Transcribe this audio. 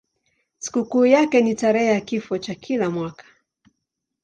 Sikukuu yake ni tarehe ya kifo chake kila mwaka.